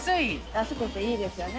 安くていいですよね。